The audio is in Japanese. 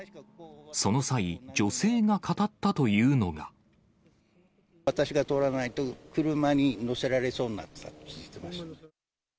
その際、私が通らないと、車に乗せられそうになってたって言ってました。